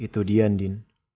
itu dia ndin